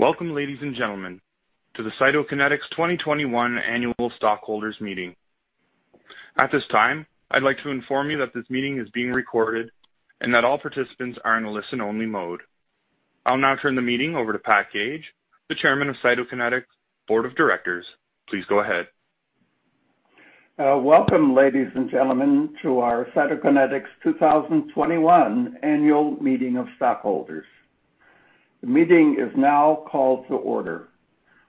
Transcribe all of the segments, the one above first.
Welcome, ladies and gentlemen, to the Cytokinetics 2021 Annual Stockholders Meeting. At this time, I'd like to inform you that this meeting is being recorded and that all participants are in a listen-only mode. I'll now turn the meeting over to Pat Gage, the Chairman of Cytokinetics' Board of Directors. Please go ahead. Welcome, ladies and gentlemen, to our Cytokinetics 2021 Annual Meeting of Stockholders. The meeting is now called to order.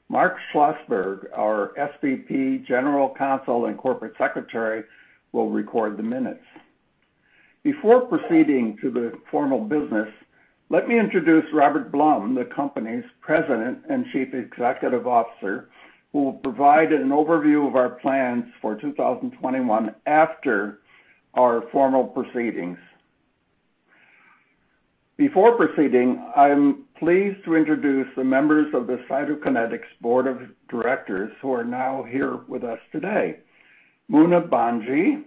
Mark A. Schlossberg, our SVP, General Counsel, and Corporate Secretary, will record the minutes. Before proceeding to the formal business, let me introduce Robert I. Blum, the company's President and Chief Executive Officer, who will provide an overview of our plans for 2021 after our formal proceedings. Before proceeding, I'm pleased to introduce the members of the Cytokinetics Board of Directors who are now here with us today. Muna Bhanji,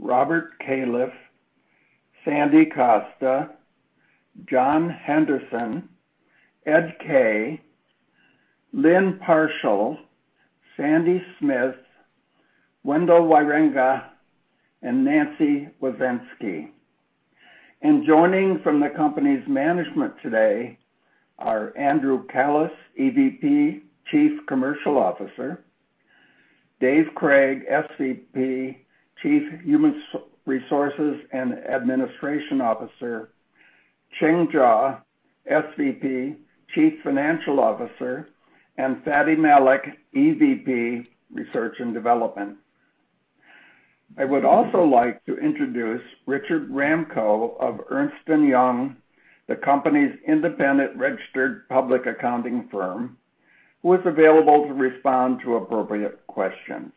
Robert M. Califf, Santo Costa, John Henderson, Ed Kaye, Lynne Parshall, Sandford D. Smith, Wendell Wierenga, and Nancy Wysenski. Joining from the company's management today are Andrew Callos, EVP, Chief Commercial Officer, David Cragg, SVP, Chief Human Resources and Administration Officer, Ching Jaw, SVP, Chief Financial Officer, and Fady Malik, EVP, Research and Development. I would also like to introduce Richard Ramko of Ernst & Young, the company's independent registered public accounting firm, who is available to respond to appropriate questions.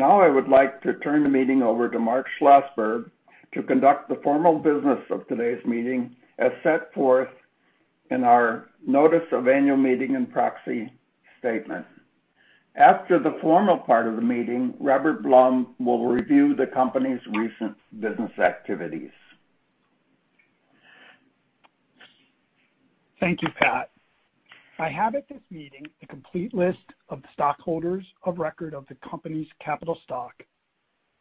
I would like to turn the meeting over to Mark Schlossberg to conduct the formal business of today's meeting as set forth in our notice of annual meeting and proxy statement. After the formal part of the meeting, Robert I. Blum will review the company's recent business activities. Thank you, Pat. I have at this meeting a complete list of the stockholders of record of the company's capital stock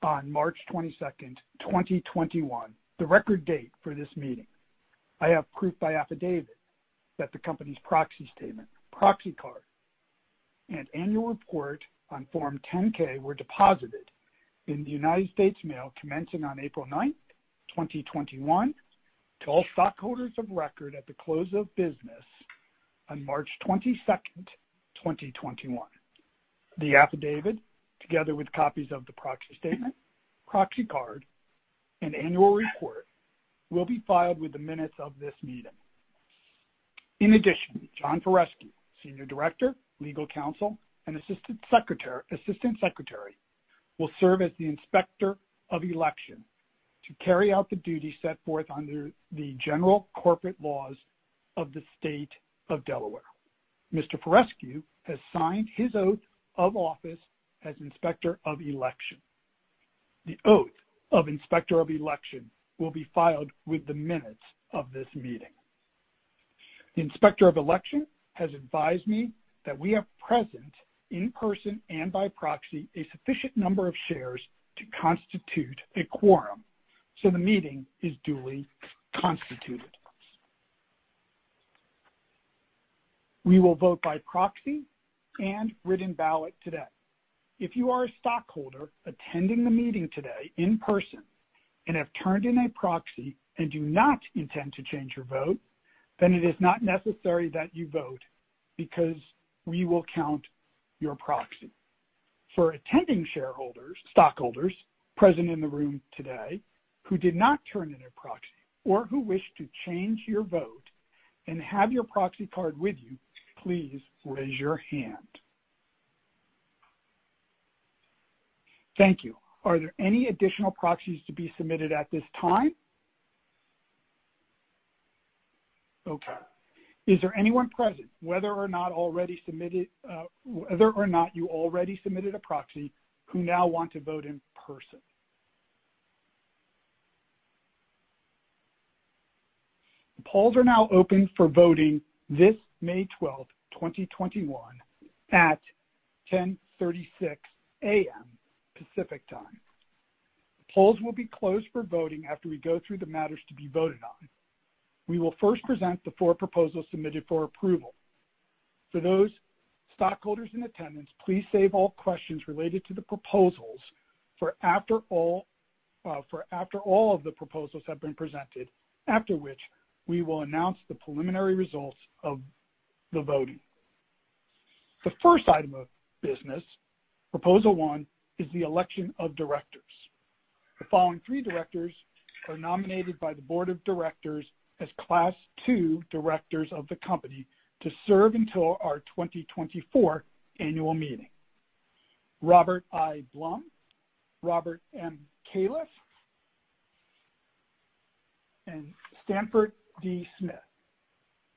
on March 22nd, 2021, the record date for this meeting. I have proof by affidavit that the company's proxy statement, proxy card, and annual report on Form 10-K were deposited in the United States Mail commencing on April 9th, 2021, to all stockholders of record at the close of business on March 22nd, 2021. The affidavit, together with copies of the proxy statement, proxy card, and annual report, will be filed with the minutes of this meeting. In addition, John Paras, Senior Director, Legal Counsel, and Assistant Secretary, will serve as the Inspector of Election to carry out the duties set forth under the general corporate laws of the State of Delaware. Mr. Paras has signed his oath of office as Inspector of Election. The oath of Inspector of Election will be filed with the minutes of this meeting. The Inspector of Election has advised me that we have present in person and by proxy a sufficient number of shares to constitute a quorum. The meeting is duly constituted. We will vote by proxy and written ballot today. If you are a stockholder attending the meeting today in person and have turned in a proxy and do not intend to change your vote, it is not necessary that you vote because we will count your proxy. For attending stockholders present in the room today who did not turn in a proxy or who wish to change your vote and have your proxy card with you, please raise your hand. Thank you. Are there any additional proxies to be submitted at this time? Okay. Is there anyone present, whether or not you already submitted a proxy, who now want to vote in person? The polls are now open for voting this May 12th, 2021, at 10:36 A.M. Pacific Time. Polls will be closed for voting after we go through the matters to be voted on. We will first present the four proposals submitted for approval. For those stockholders in attendance, please save all questions related to the proposals for after all of the proposals have been presented, after which we will announce the preliminary results of the voting. The first item of business, Proposal One, is the election of directors. The following three directors are nominated by the board of directors as Class II Directors of the company to serve until our 2024 annual meeting. Robert I. Blum, Robert M. Califf, and Sandford D. Smith.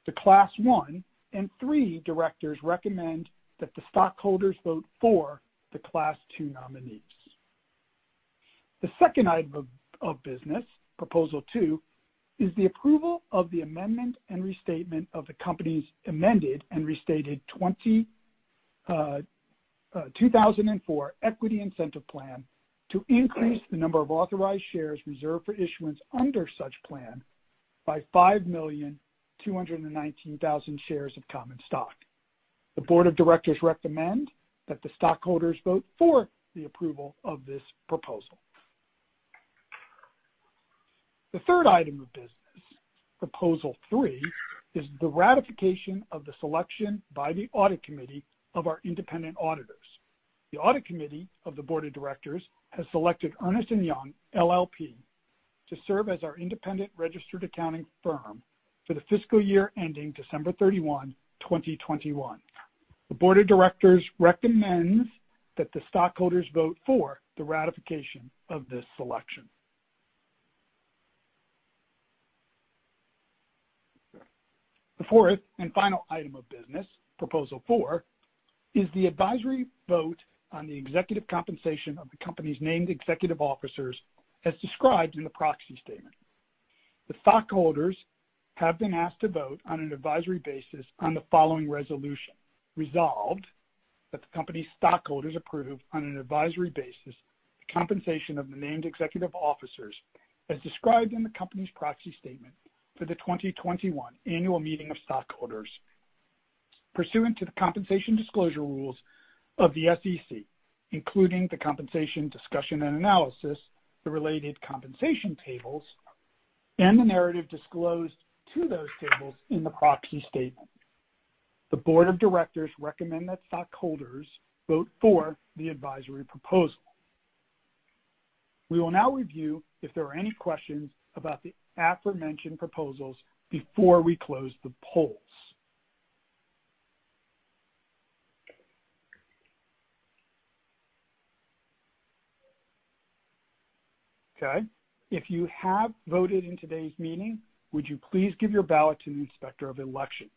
The Class I and III Directors recommend that the stockholders vote for the Class II nominees. The second item of business, Proposal Two, is the approval of the amendment and restatement of the company's Amended and Restated 2004 Equity Incentive Plan to increase the number of authorized shares reserved for issuance under such plan by 5,219,000 shares of common stock. The board of directors recommend that the stockholders vote for the approval of this proposal. The third item of business, Proposal Three, is the ratification of the selection by the audit committee of our independent auditors. The audit committee of the board of directors has selected Ernst & Young LLP to serve as our independent registered accounting firm for the fiscal year ending December 31, 2021. The board of directors recommends that the stockholders vote for the ratification of this selection. The fourth and final item of business, Proposal Four, is the advisory vote on the executive compensation of the company's named executive officers as described in the proxy statement. The stockholders have been asked to vote on an advisory basis on the following resolution. Resolved, that the company's stockholders approve on an advisory basis the compensation of the named executive officers as described in the company's proxy statement for the 2021 annual meeting of stockholders pursuant to the compensation disclosure rules of the SEC, including the compensation discussion and analysis, the related compensation tables, and the narrative disclosed to those tables in the proxy statement. The board of directors recommend that stockholders vote for the advisory proposal. We will now review if there are any questions about the aforementioned proposals before we close the polls. Okay. If you have voted in today's meeting, would you please give your ballot to the Inspector of Election?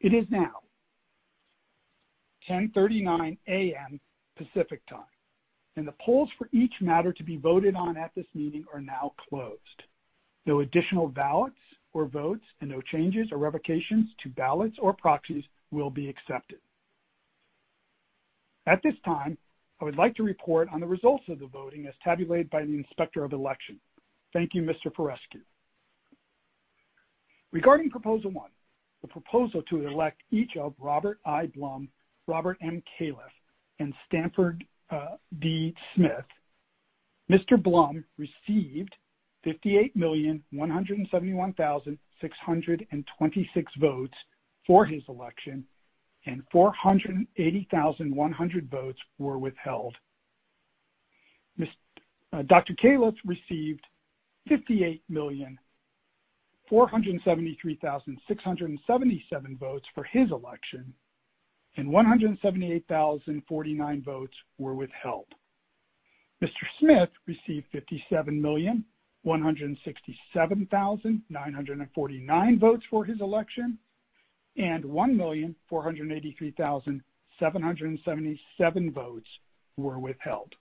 It is now 10:39 A.M. Pacific Time. The polls for each matter to be voted on at this meeting are now closed. No additional ballots or votes and no changes or revocations to ballots or proxies will be accepted. At this time, I would like to report on the results of the voting as tabulated by the Inspector of Election. Thank you, Mr. Paras. Regarding proposal one, the proposal to elect each of Robert I. Blum, Robert M. Califf, and Sandford D. Smith. Mr. Blum received 58,171,626 votes for his election, and 480,100 votes were withheld. Dr. Califf received 58,473,677 votes for his election, and 178,049 votes were withheld. Mr. Smith received 57,167,949 votes for his election, and 1,483,777 votes were withheld.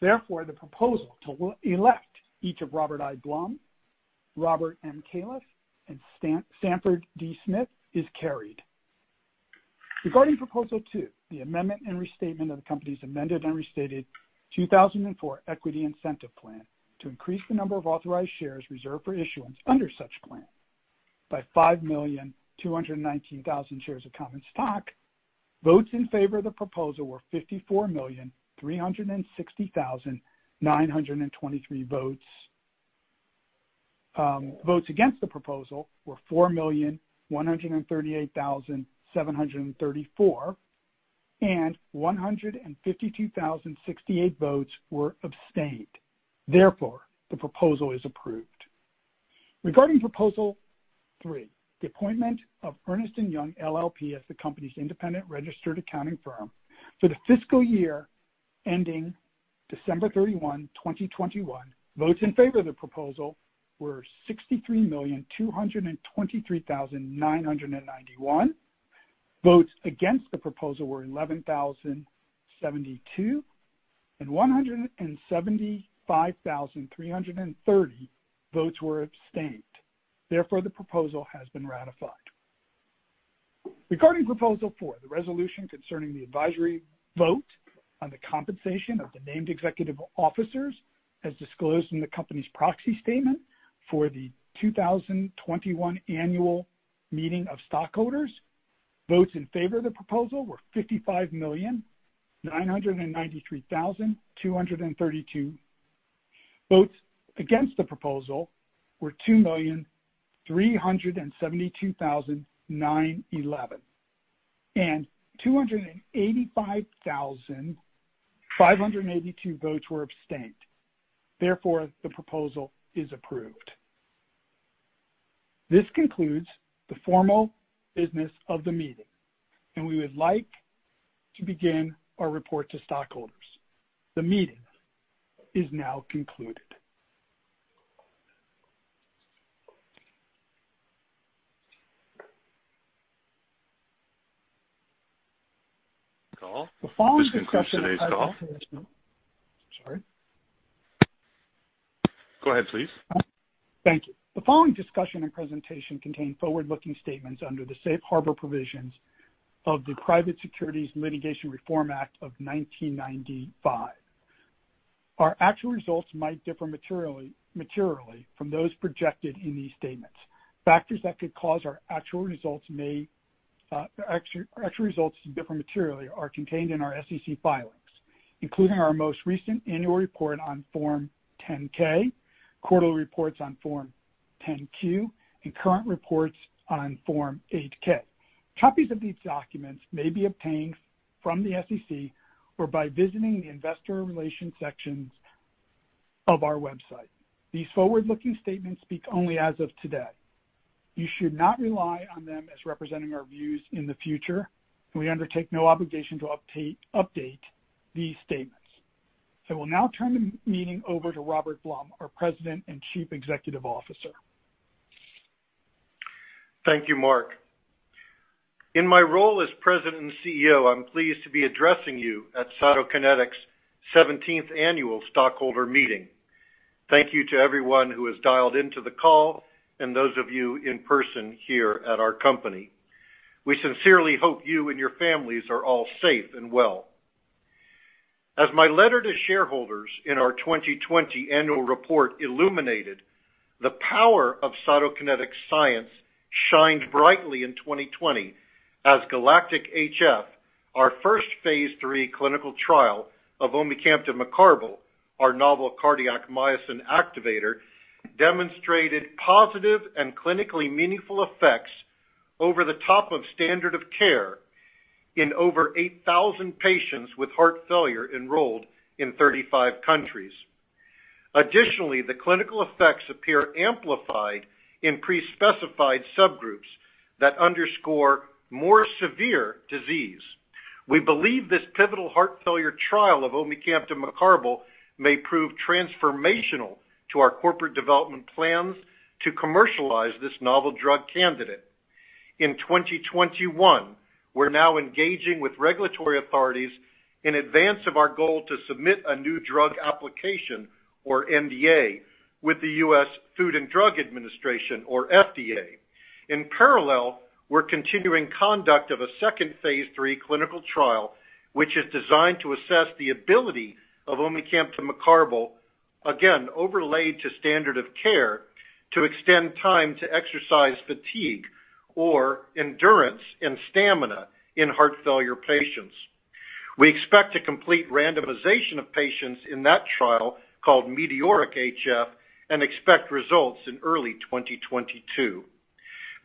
The proposal to elect each of Robert I. Blum, Robert M. Califf, and Sandford D. Smith is carried. Regarding Proposal Two, the amendment and restatement of the company's Amended and Restated 2004 Equity Incentive Plan to increase the number of authorized shares reserved for issuance under such plan by 5,219,000 shares of common stock, votes in favor of the proposal were 54,360,923 votes. Votes against the proposal were 4,138,734, and 152,068 votes were abstained. Therefore, the proposal is approved. Regarding Proposal Three, the appointment of Ernst & Young LLP as the company's independent registered accounting firm for the fiscal year ending December 31, 2021, votes in favor of the proposal were 63,223,991. Votes against the proposal were 11,072, and 175,330 votes were abstained. Therefore, the proposal has been ratified. Regarding Proposal Four, the resolution concerning the advisory vote on the compensation of the named executive officers as disclosed in the company's proxy statement for the 2021 annual meeting of stockholders, votes in favor of the proposal were 55,993,232. Votes against the proposal were 2,372,911, and 285,582 votes were abstained. The proposal is approved. This concludes the formal business of the meeting, and we would like to begin our report to stockholders. The meeting is now concluded. This concludes today's call. Sorry. Go ahead, please. Thank you. The following discussion and presentation contain forward-looking statements under the safe harbor provisions of the Private Securities Litigation Reform Act of 1995. Our actual results might differ materially from those projected in these statements. Factors that could cause our actual results to differ materially are contained in our SEC filings, including our most recent annual report on Form 10-K, quarterly reports on Form 10-Q, and current reports on Form 8-K. Copies of these documents may be obtained from the SEC or by visiting the investor relations sections of our website. These forward-looking statements speak only as of today. You should not rely on them as representing our views in the future, and we undertake no obligation to update these statements. I will now turn the meeting over to Robert I. Blum, our President and Chief Executive Officer. Thank you, Mark. In my role as President and CEO, I'm pleased to be addressing you at Cytokinetics' 17th annual stockholder meeting. Thank you to everyone who has dialed into the call and those of you in person here at our company. We sincerely hope you and your families are all safe and well. As my letter to shareholders in our 2020 annual report illuminated, the power of Cytokinetics' science shined brightly in 2020 as GALACTIC-HF, our first phase III clinical trial of omecamtiv mecarbil, our novel cardiac myosin activator, demonstrated positive and clinically meaningful effects over the top of standard of care in over 8,000 patients with heart failure enrolled in 35 countries. Additionally, the clinical effects appear amplified in pre-specified subgroups that underscore more severe disease. We believe this pivotal heart failure trial of omecamtiv mecarbil may prove transformational to our corporate development plans to commercialize this novel drug candidate. In 2021, we're now engaging with regulatory authorities in advance of our goal to submit a New Drug Application, or NDA, with the U.S. Food and Drug Administration, or FDA. In parallel, we're continuing conduct of a second phase III clinical trial, which is designed to assess the ability of omecamtiv mecarbil, again overlayed to standard of care, to extend time to exercise fatigue or endurance and stamina in heart failure patients. We expect to complete randomization of patients in that trial, called METEORIC-HF, and expect results in early 2022.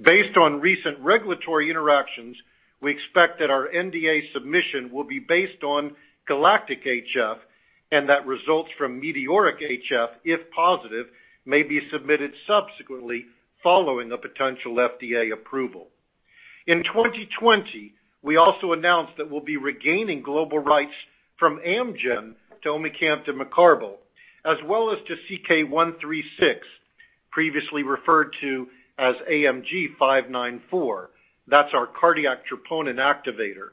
Based on recent regulatory interactions, we expect that our NDA submission will be based on GALACTIC-HF, and that results from METEORIC-HF, if positive, may be submitted subsequently following a potential FDA approval. In 2020, we also announced that we'll be regaining global rights from Amgen to omecamtiv mecarbil, as well as to CK-136, previously referred to as AMG 594. That's our cardiac troponin activator.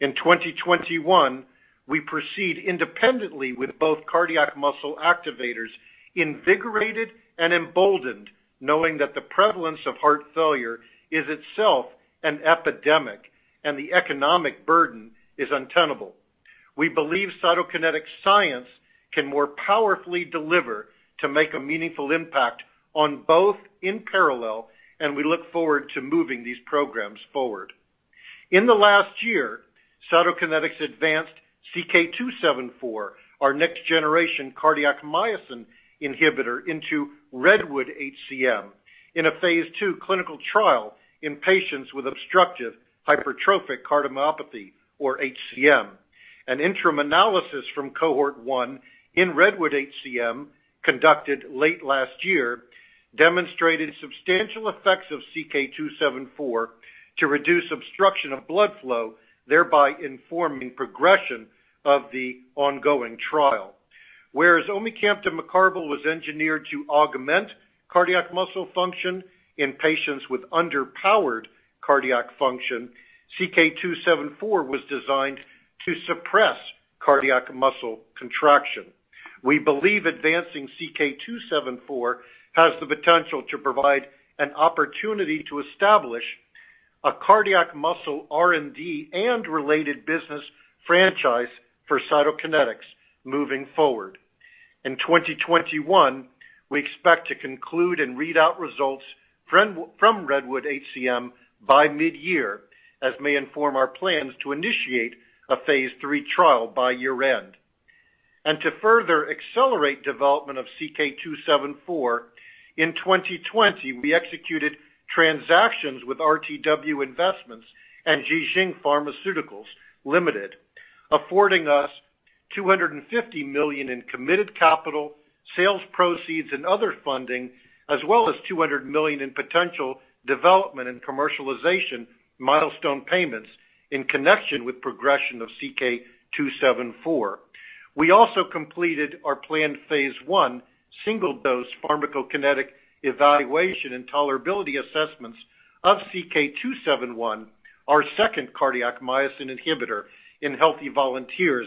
In 2021, we proceed independently with both cardiac muscle activators, invigorated and emboldened, knowing that the prevalence of heart failure is itself an epidemic and the economic burden is untenable. We believe Cytokinetics science can more powerfully deliver to make a meaningful impact on both in parallel, and we look forward to moving these programs forward. In the last year, Cytokinetics advanced CK-274, our next generation cardiac myosin inhibitor, into REDWOOD-HCM in a phase II clinical trial in patients with obstructive Hypertrophic Cardiomyopathy or HCM. An interim analysis from Cohort I in REDWOOD-HCM conducted late last year demonstrated substantial effects of CK-274 to reduce obstruction of blood flow, thereby informing progression of the ongoing trial. Whereas omecamtiv mecarbil was engineered to augment cardiac muscle function in patients with underpowered cardiac function, CK-274 was designed to suppress cardiac muscle contraction. We believe advancing CK-274 has the potential to provide an opportunity to establish a cardiac muscle R&D and related business franchise for Cytokinetics moving forward. In 2021, we expect to conclude and read out results from REDWOOD-HCM by mid-year, as may inform our plans to initiate a phase III trial by year-end. To further accelerate development of CK-274, in 2020, we executed transactions with RTW Investments and Ji Xing Pharmaceuticals Limited, affording us $250 million in committed capital, sales proceeds, and other funding, as well as $200 million in potential development and commercialization milestone payments in connection with progression of CK-274. We also completed our planned phase I single-dose pharmacokinetic evaluation and tolerability assessments of CK-271, our second cardiac myosin inhibitor in healthy volunteers,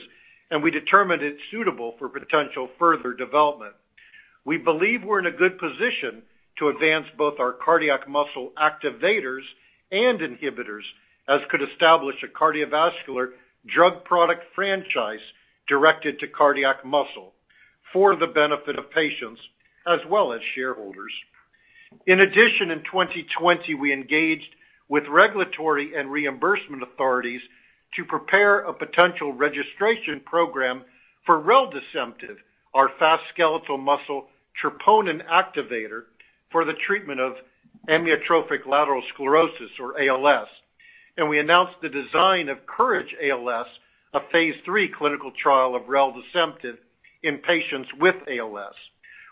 and we determined it suitable for potential further development. We believe we're in a good position to advance both our cardiac muscle activators and inhibitors, as could establish a cardiovascular drug product franchise directed to cardiac muscle for the benefit of patients as well as shareholders. In addition, in 2020, we engaged with regulatory and reimbursement authorities to prepare a potential registration program for reldesemtiv, our fast skeletal muscle troponin activator for the treatment of Amyotrophic Lateral Sclerosis or ALS, and we announced the design of COURAGE-ALS, a phase III clinical trial of reldesemtiv in patients with ALS.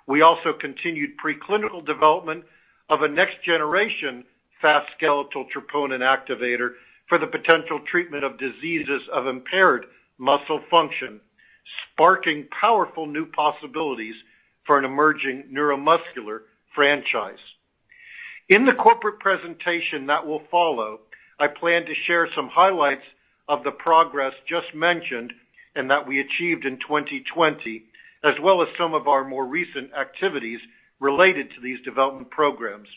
We also continued preclinical development of a next generation fast skeletal troponin activator for the potential treatment of diseases of impaired muscle function, sparking powerful new possibilities for an emerging neuromuscular franchise. In the corporate presentation that will follow, I plan to share some highlights of the progress just mentioned and that we achieved in 2020, as well as some of our more recent activities related to these development programs.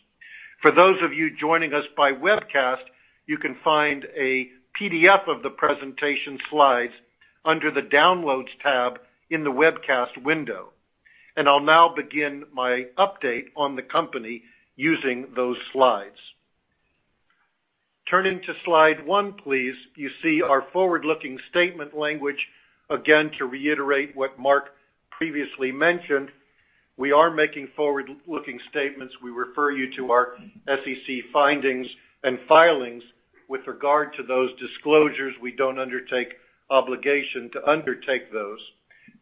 For those of you joining us by webcast, you can find a PDF of the presentation slides under the Downloads tab in the webcast window. I'll now begin my update on the company using those slides. Turning to slide one, please. You see our forward-looking statement language. Again, to reiterate what Mark previously mentioned, we are making forward-looking statements. We refer you to our SEC findings and filings with regard to those disclosures. We don't undertake obligation to undertake those,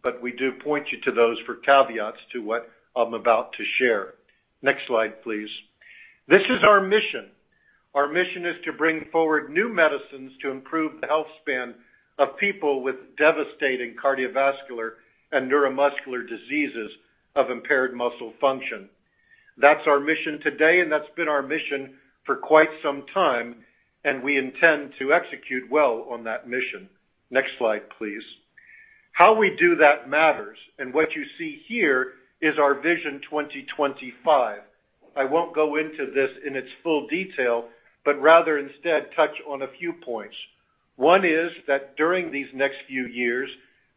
but we do point you to those for caveats to what I'm about to share. Next slide, please. This is our mission. Our mission is to bring forward new medicines to improve the health span of people with devastating cardiovascular and neuromuscular diseases of impaired muscle function. That's our mission today, and that's been our mission for quite some time, and we intend to execute well on that mission. Next slide, please. How we do that matters, and what you see here is our vision 2025. I won't go into this in its full detail, but rather instead touch on a few points. One is that during these next few years,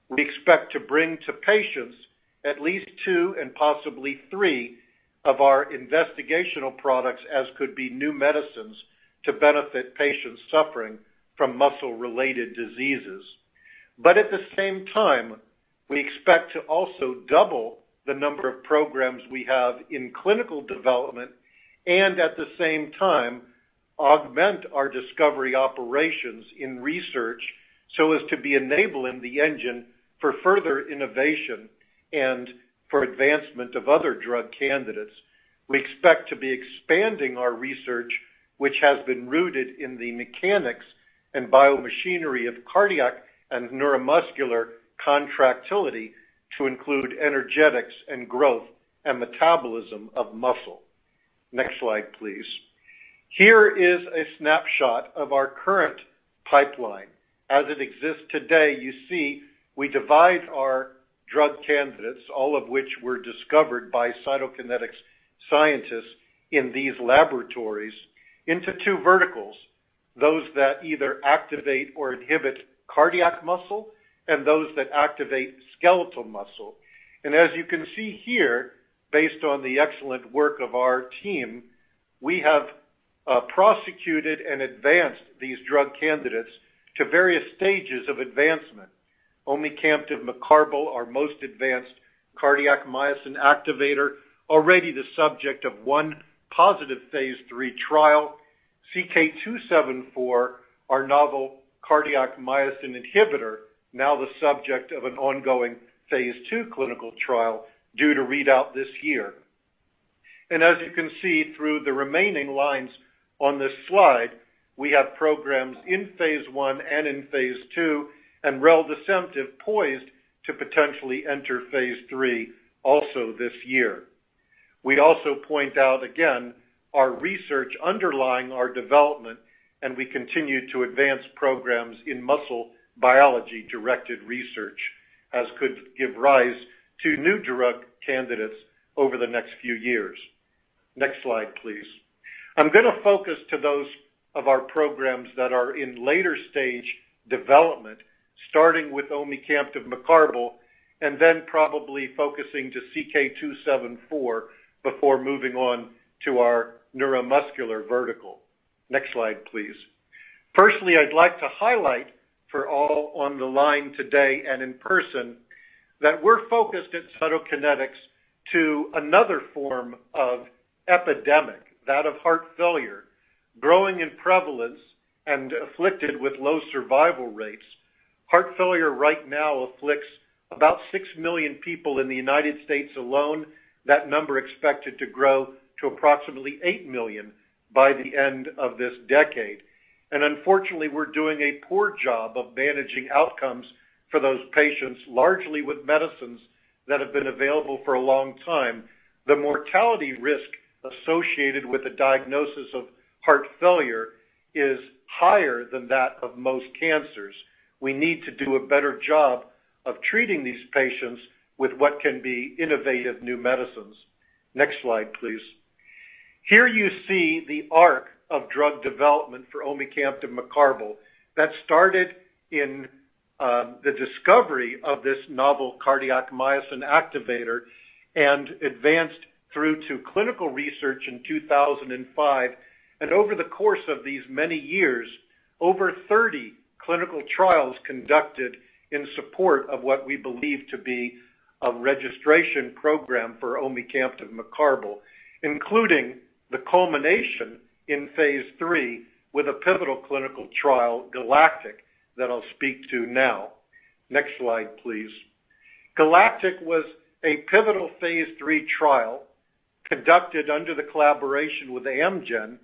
we expect to bring to patients at least two and possibly three of our investigational products as could be new medicines to benefit patients suffering from muscle-related diseases. At the same time, we expect to also double the number of programs we have in clinical development and at the same time augment our discovery operations in research so as to be enabling the engine for further innovation and for advancement of other drug candidates. We expect to be expanding our research, which has been rooted in the mechanics and biomachinery of cardiac and neuromuscular contractility to include energetics and growth and metabolism of muscle. Next slide, please. Here is a snapshot of our current pipeline as it exists today. You see we divide our drug candidates, all of which were discovered by Cytokinetics scientists in these laboratories, into two verticals, those that either activate or inhibit cardiac muscle and those that activate skeletal muscle. As you can see here, based on the excellent work of our team, we have prosecuted and advanced these drug candidates to various stages of advancement. omecamtiv mecarbil, our most advanced cardiac myosin activator, already the subject of one positive phase III trial. CK-274, our novel cardiac myosin inhibitor, now the subject of an ongoing phase II clinical trial due to read out this year. As you can see through the remaining lines on this slide, we have programs in phase I and in phase II, and reldesemtiv poised to potentially enter phase III also this year. We also point out again our research underlying our development, we continue to advance programs in muscle biology-directed research, as could give rise to new drug candidates over the next few years. Next slide, please. I'm going to focus on those of our programs that are in later stage development, starting with omecamtiv mecarbil, and then probably focusing on CK-274 before moving on to our neuromuscular vertical. Next slide, please. Personally, I'd like to highlight for all on the line today and in person that we're focused at Cytokinetics on another form of epidemic, that of heart failure, growing in prevalence and afflicted with low survival rates. Heart failure right now afflicts about 6 million people in the U.S. alone. That number expected to grow to approximately 8 million by the end of this decade. Unfortunately, we're doing a poor job of managing outcomes for those patients, largely with medicines that have been available for a long time. The mortality risk associated with a diagnosis of heart failure is higher than that of most cancers. We need to do a better job of treating these patients with what can be innovative new medicines. Next slide, please. Here you see the arc of drug development for omecamtiv mecarbil that started in the discovery of this novel cardiac myosin activator and advanced through to clinical research in 2005. Over the course of these many years, over 30 clinical trials conducted in support of what we believe to be a registration program for omecamtiv mecarbil, including the culmination in phase III with a pivotal clinical trial, GALACTIC-HF, that I'll speak to now. Next slide, please. GALACTIC-HF was a pivotal phase III trial conducted under the collaboration with Amgen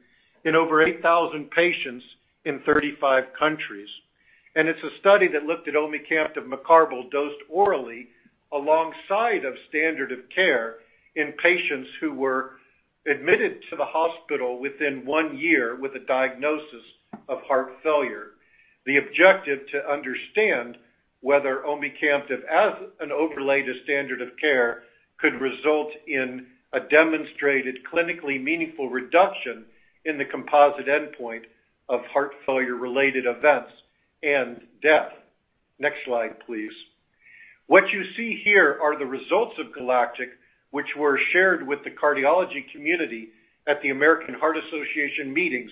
in over 8,000 patients in 35 countries. It's a study that looked at omecamtiv mecarbil dosed orally alongside of standard of care in patients who were admitted to the hospital within one year with a diagnosis of heart failure. The objective, to understand whether omecamtiv, as an overlay to standard of care, could result in a demonstrated clinically meaningful reduction in the composite endpoint of heart failure-related events and death. Next slide, please. What you see here are the results of GALACTIC-HF, which were shared with the cardiology community at the American Heart Association meetings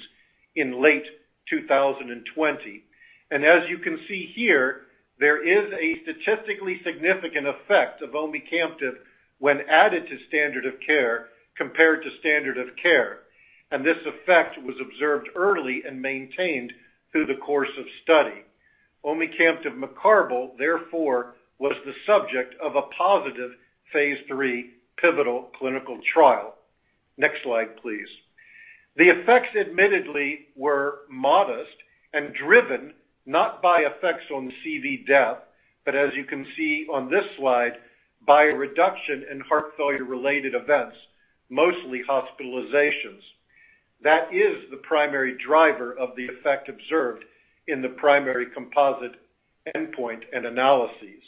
in late 2020. As you can see here, there is a statistically significant effect of omecamtiv when added to standard of care compared to standard of care, and this effect was observed early and maintained through the course of study. Omecamtiv mecarbil, therefore, was the subject of a positive phase III pivotal clinical trial. Next slide, please. The effects admittedly were modest and driven not by effects on CV death, but as you can see on this slide, by a reduction in heart failure-related events, mostly hospitalizations. That is the primary driver of the effect observed in the primary composite endpoint and analyses.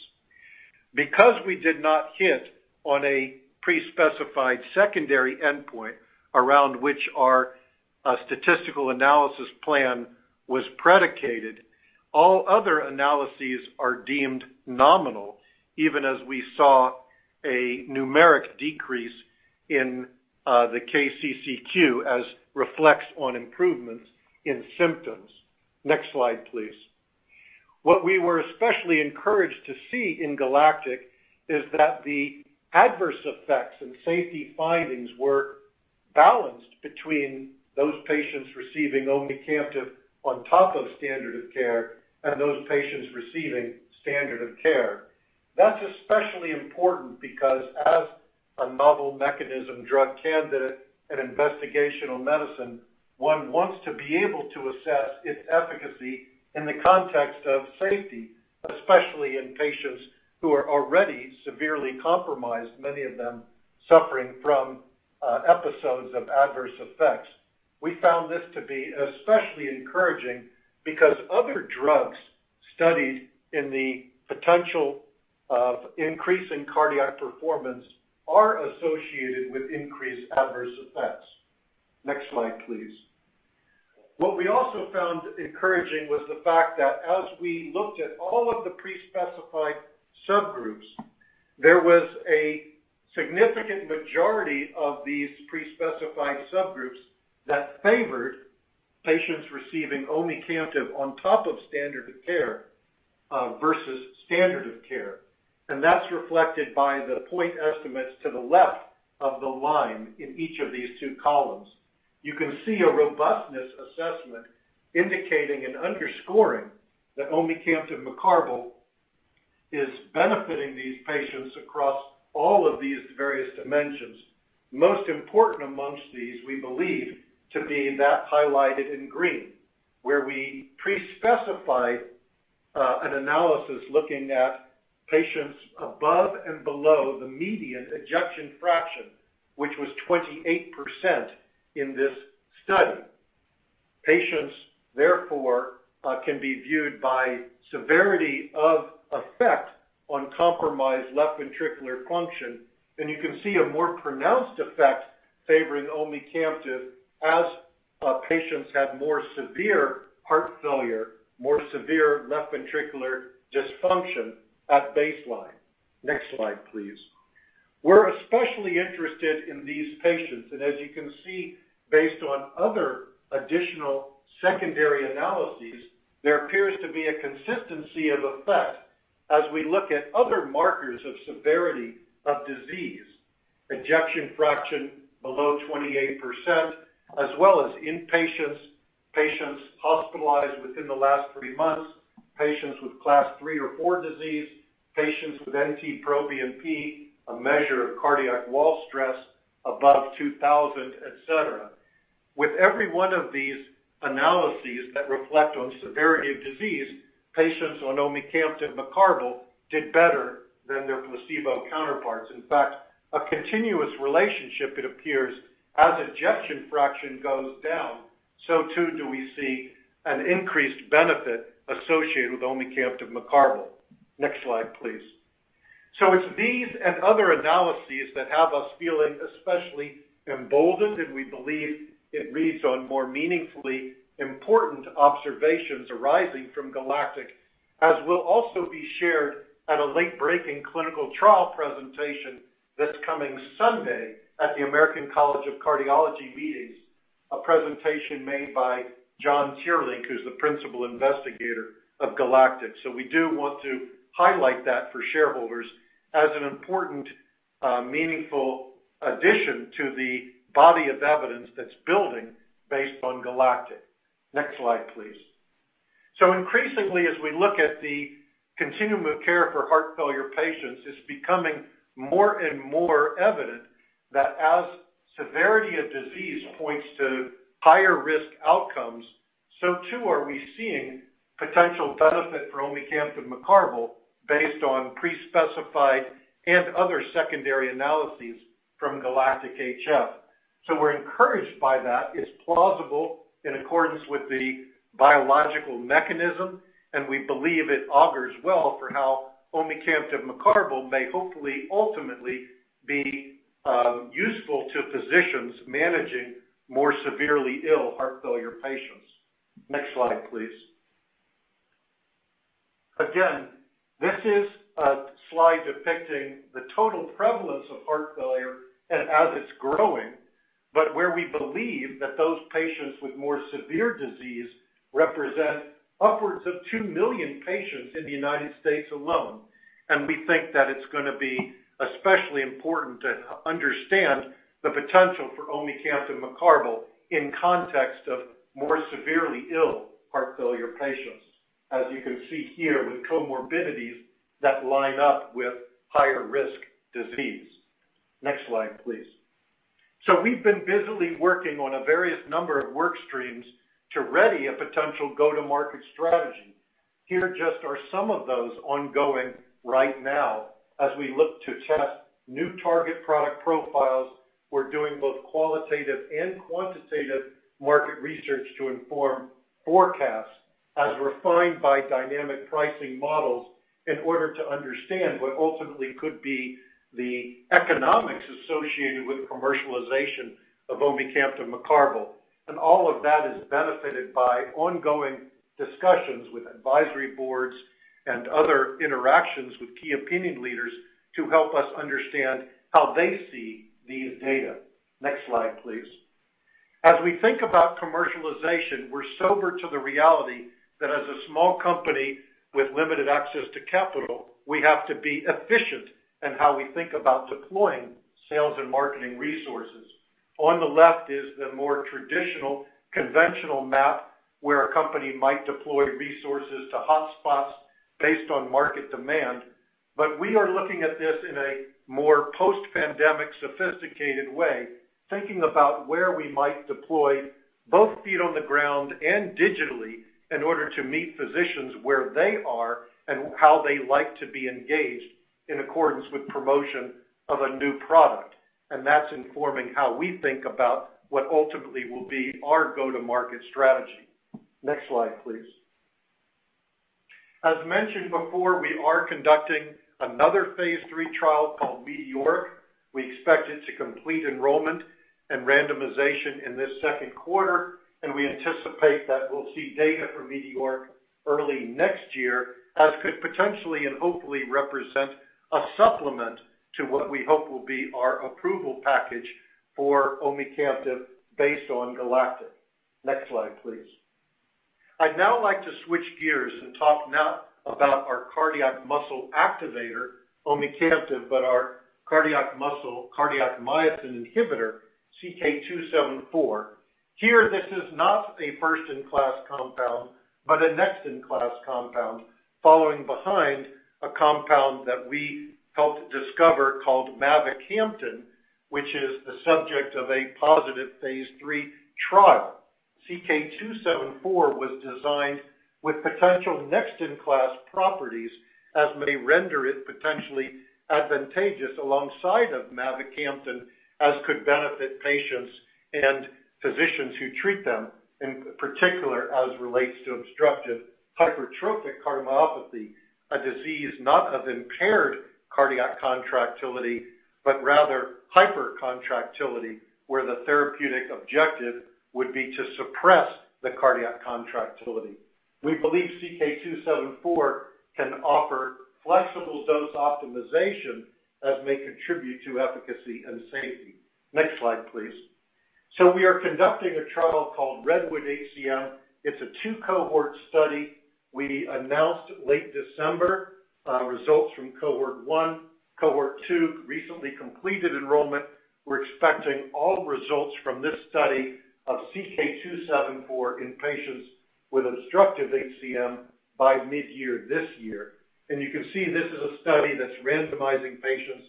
Because we did not hit on a pre-specified secondary endpoint around which our statistical analysis plan was predicated, all other analyses are deemed nominal, even as we saw a numeric decrease in the KCCQ as reflects on improvements in symptoms. Next slide, please. What we were especially encouraged to see in GALACTIC-HF is that the adverse effects and safety findings were balanced between those patients receiving omecamtiv on top of standard of care and those patients receiving standard of care. That's especially important because as a novel mechanism drug candidate and investigational medicine, one wants to be able to assess its efficacy in the context of safety, especially in patients who are already severely compromised, many of them suffering from episodes of adverse effects. We found this to be especially encouraging because other drugs studied in the potential of increasing cardiac performance are associated with increased adverse effects. Next slide, please. What we also found encouraging was the fact that as we looked at all of the pre-specified subgroups, there was a significant majority of these pre-specified subgroups that favored patients receiving omecamtiv on top of standard of care versus standard of care. That's reflected by the point estimates to the left of the line in each of these two columns. You can see a robustness assessment indicating and underscoring that omecamtiv mecarbil is benefiting these patients across all of these various dimensions. Most important amongst these, we believe, to be that highlighted in green, where we pre-specified an analysis looking at patients above and below the median ejection fraction, which was 28% in this study. Patients, therefore, can be viewed by severity of effect on compromised left ventricular function, and you can see a more pronounced effect favoring omecamtiv as patients have more severe heart failure, more severe left ventricular dysfunction at baseline. Next slide, please. We're especially interested in these patients. As you can see, based on other additional secondary analyses, there appears to be a consistency of effect as we look at other markers of severity of disease. Ejection fraction below 28%, as well as patients hospitalized within the last three months, patients with Class III or IV disease, patients with NT-proBNP, a measure of cardiac wall stress above 2,000, et cetera. With every one of these analyses that reflect on severity of disease, patients on omecamtiv mecarbil did better than their placebo counterparts. A continuous relationship it appears, as ejection fraction goes down, so too do we see an increased benefit associated with omecamtiv mecarbil. Next slide, please. It's these and other analyses that have us feeling especially emboldened, and we believe it reads on more meaningfully important observations arising from GALACTIC, as will also be shared at a late-breaking clinical trial presentation this coming Sunday at the American College of Cardiology meetings, a presentation made by John Teerlink, who's the Principal Investigator of GALACTIC. We do want to highlight that for shareholders as an important, meaningful addition to the body of evidence that's building based on GALACTIC-HF. Next slide, please. Increasingly, as we look at the continuum of care for heart failure patients, it's becoming more and more evident that as severity of disease points to higher risk outcomes, so too are we seeing potential benefit for omecamtiv mecarbil based on pre-specified and other secondary analyses from GALACTIC-HF. We're encouraged by that. It's plausible in accordance with the biological mechanism, and we believe it augurs well for how omecamtiv mecarbil may hopefully ultimately be useful to physicians managing more severely ill heart failure patients. Next slide, please. This is a slide depicting the total prevalence of heart failure and as it's growing, but where we believe that those patients with more severe disease represent upwards of 2 million patients in the U.S. alone. We think that it's going to be especially important to understand the potential for omecamtiv mecarbil in context of more severely ill heart failure patients, as you can see here with comorbidities that line up with higher risk disease. Next slide, please. We've been busily working on a various number of work streams to ready a potential go-to-market strategy. Here just are some of those ongoing right now. As we look to test new target product profiles, we're doing both qualitative and quantitative market research to inform forecasts, as refined by dynamic pricing models, in order to understand what ultimately could be the economics associated with commercialization of omecamtiv mecarbil. All of that is benefited by ongoing discussions with advisory boards and other interactions with key opinion leaders to help us understand how they see these data. Next slide, please. As we think about commercialization, we're sober to the reality that as a small company with limited access to capital, we have to be efficient in how we think about deploying sales and marketing resources. On the left is the more traditional, conventional map where a company might deploy resources to hotspots based on market demand. We are looking at this in a more post-pandemic, sophisticated way, thinking about where we might deploy both feet on the ground and digitally in order to meet physicians where they are and how they like to be engaged in accordance with promotion of a new product. That's informing how we think about what ultimately will be our go-to-market strategy. Next slide, please. As mentioned before, we are conducting another phase III trial called METEORIC-HF. We expect it to complete enrollment and randomization in this second quarter. We anticipate that we'll see data for METEORIC-HF early next year as could potentially and hopefully represent a supplement to what we hope will be our approval package for omecamtiv based on GALACTIC-HF. Next slide, please. I'd now like to switch gears and talk not about our cardiac muscle activator, omecamtiv, but our cardiac myosin inhibitor, CK-274. Here, this is not a first-in-class compound, but a next-in-class compound, following behind a compound that we helped discover called mavacamten, which is the subject of a positive phase III trial. CK-274 was designed with potential next-in-class properties, as may render it potentially advantageous alongside of aficamten, as could benefit patients and physicians who treat them, in particular as relates to obstructive hypertrophic cardiomyopathy, a disease not of impaired cardiac contractility, but rather hypercontractility, where the therapeutic objective would be to suppress the cardiac contractility. We believe CK-274 can offer flexible dose optimization that may contribute to efficacy and safety. Next slide, please. We are conducting a trial called REDWOOD-HCM. It's a two-Cohort study. We announced late December results from Cohort I. Cohort II recently completed enrollment. We're expecting all results from this study of CK-274 in patients with obstructive HCM by midyear this year. You can see this is a study that's randomizing patients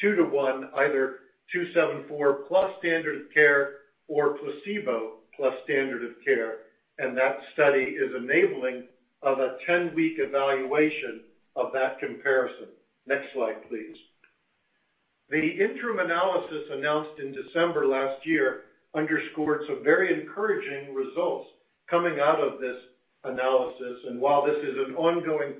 two to one, either CK-274 plus standard of care or placebo plus standard of care, and that study is enabling of a 10-week evaluation of that comparison. Next slide, please. The interim analysis announced in December last year underscored some very encouraging results coming out of this analysis. While this is an ongoing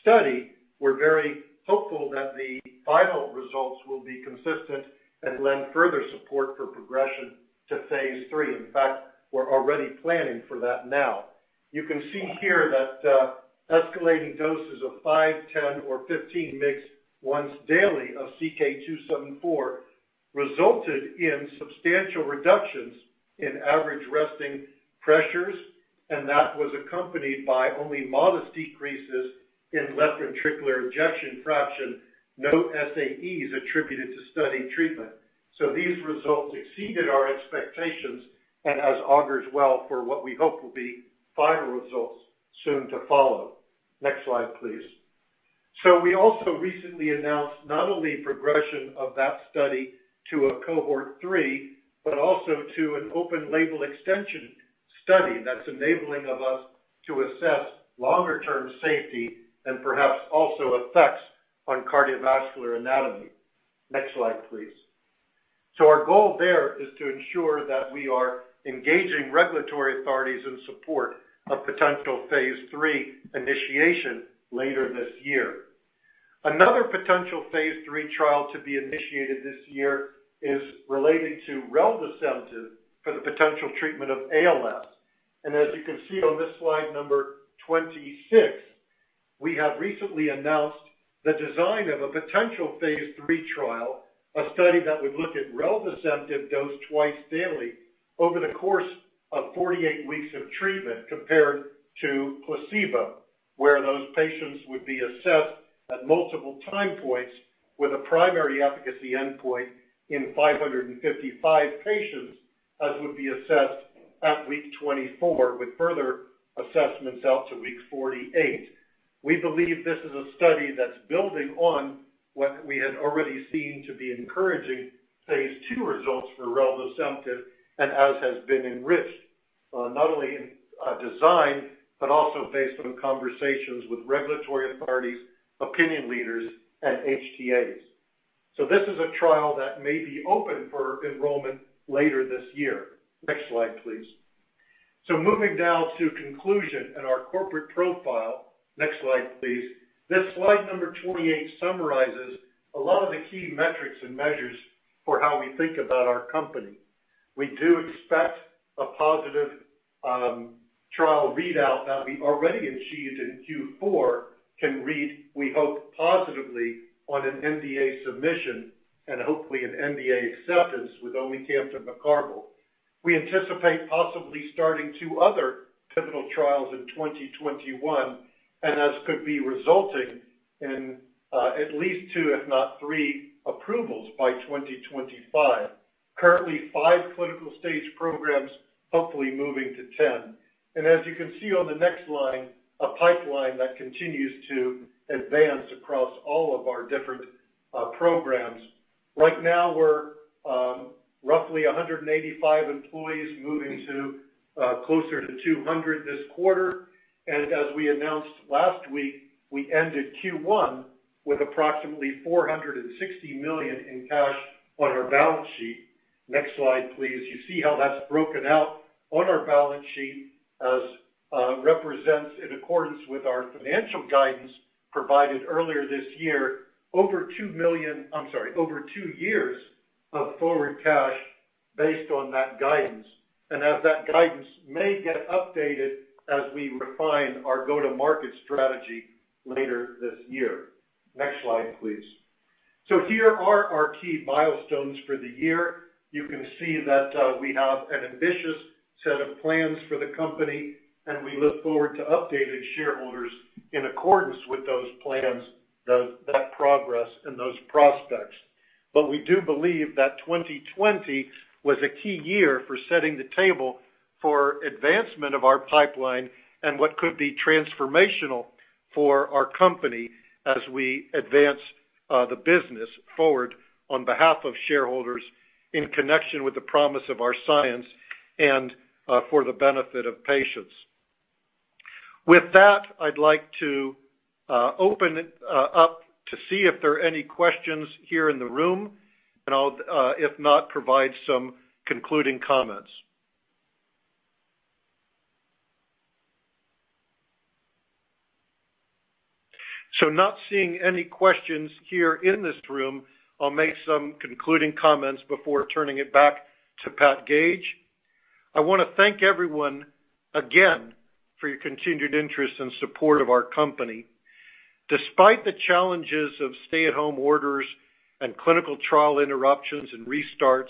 study, we're very hopeful that the final results will be consistent and lend further support for progression to phase III. In fact, we're already planning for that now. You can see here that escalating doses of five, 10 or 15 mg once daily of CK-274 resulted in substantial reductions in average resting pressures, and that was accompanied by only modest decreases in left ventricular ejection fraction, no SAEs attributed to study treatment. These results exceeded our expectations and thus augurs well for what we hope will be final results soon to follow. Next slide, please. We also recently announced not only progression of that study to a Cohort III, but also to an open label extension study that's enabling of us to assess longer term safety and perhaps also effects on cardiovascular anatomy. Next slide, please. Our goal there is to ensure that we are engaging regulatory authorities in support of potential phase III initiation later this year. Another potential phase III trial to be initiated this year is relating to reldesemtiv for the potential treatment of ALS. As you can see on this slide number 26, we have recently announced the design of a potential phase III trial, a study that would look at reldesemtiv dosed twice daily over the course of 48 weeks of treatment compared to placebo, where those patients would be assessed at multiple time points with a primary efficacy endpoint in 555 patients, as would be assessed at week 24, with further assessments out to week 48. We believe this is a study that's building on what we had already seen to be encouraging phase II results for reldesemtiv and as has been enriched not only in design, but also based on conversations with regulatory authorities, opinion leaders and HTAs. This is a trial that may be open for enrollment later this year. Next slide, please. Moving now to conclusion and our corporate profile. Next slide, please. This slide number 28 summarizes a lot of the key metrics and measures for how we think about our company. We do expect a positive trial readout that we've already achieved in Q4 can read, we hope, positively on an NDA submission and hopefully an NDA acceptance with omecamtiv mecarbil. We anticipate possibly starting two other pivotal trials in 2021, and thus could be resulting in at least two, if not three approvals by 2025. Currently five clinical stage programs, hopefully moving to 10. As you can see on the next line, a pipeline that continues to advance across all of our different programs. Right now, we're roughly 185 employees moving to closer to 200 this quarter. As we announced last week, we ended Q1 with approximately $460 million in cash on our balance sheet. Next slide, please. You see how that's broken out on our balance sheet as represents in accordance with our financial guidance provided earlier this year over two years of forward cash based on that guidance. As that guidance may get updated as we refine our go-to-market strategy later this year. Next slide, please. Here are our key milestones for the year. You can see that we have an ambitious set of plans for the company, and we look forward to updating shareholders in accordance with those plans, that progress and those prospects. We do believe that 2020 was a key year for setting the table for advancement of our pipeline and what could be transformational for our company as we advance the business forward on behalf of shareholders in connection with the promise of our science and for the benefit of patients. With that, I'd like to open it up to see if there are any questions here in the room and I'll, if not, provide some concluding comments. Not seeing any questions here in this room, I'll make some concluding comments before turning it back to Pat Gage. I want to thank everyone again for your continued interest and support of our company. Despite the challenges of stay at home orders and clinical trial interruptions and restarts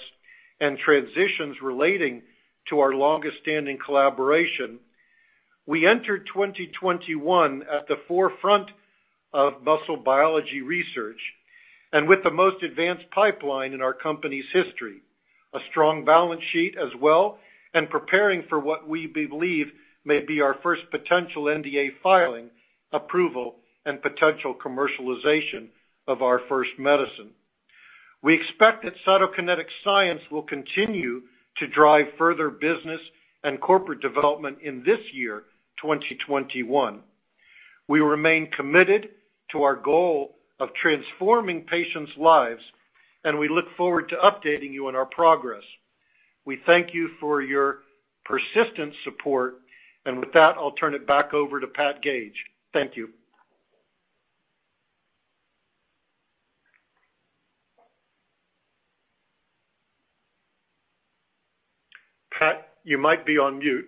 and transitions relating to our longest-standing collaboration. We entered 2021 at the forefront of muscle biology research and with the most advanced pipeline in our company's history, a strong balance sheet as well, and preparing for what we believe may be our first potential NDA filing, approval, and potential commercialization of our first medicine. We expect that Cytokinetics science will continue to drive further business and corporate development in this year, 2021. We remain committed to our goal of transforming patients' lives, and we look forward to updating you on our progress. We thank you for your persistent support. With that, I'll turn it back over to Pat Gage. Thank you. Pat, you might be on mute.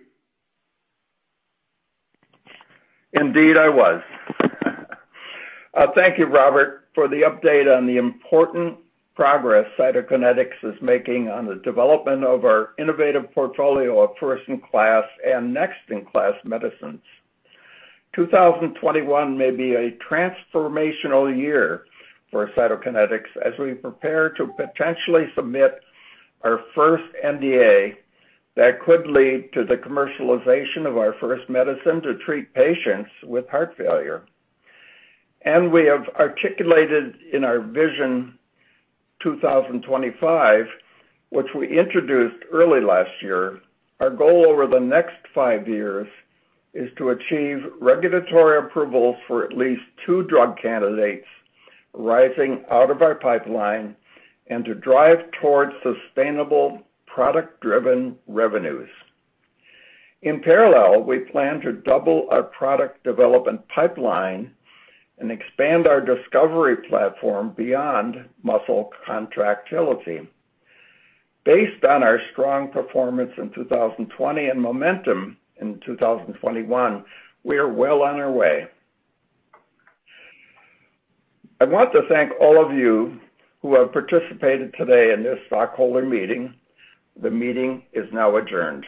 Indeed, I was. Thank you, Robert, for the update on the important progress Cytokinetics is making on the development of our innovative portfolio of first-in-class and next-in-class medicines. 2021 may be a transformational year for Cytokinetics as we prepare to potentially submit our first NDA that could lead to the commercialization of our first medicine to treat patients with heart failure. We have articulated in our Vision 2025, which we introduced early last year, our goal over the next five years is to achieve regulatory approval for at least two drug candidates rising out of our pipeline and to drive towards sustainable product-driven revenues. In parallel, we plan to double our product development pipeline and expand our discovery platform beyond muscle contractility. Based on our strong performance in 2020 and momentum in 2021, we are well on our way. I want to thank all of you who have participated today in this stockholder meeting. The meeting is now adjourned.